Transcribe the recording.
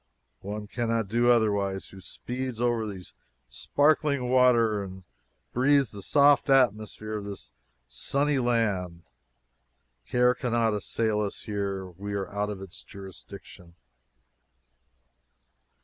One can not do otherwise who speeds over these sparkling waters and breathes the soft atmosphere of this sunny land. Care cannot assail us here. We are out of its jurisdiction.